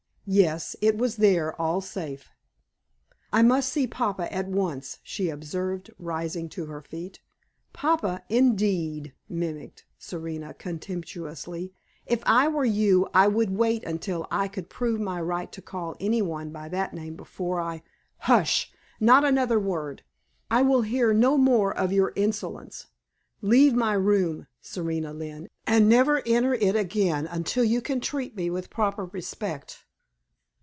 Yes, it was there, all safe. "I must see papa at once," she observed, rising to her feet. "Papa, indeed!" mimicked Serena, contemptuously. "If I were you I would wait until I could prove my right to call any one by that name before I " "Hush! Not another word! I will hear no more of your insolence. Leave my room, Serena Lynne, and never enter it again until you can treat me with proper respect."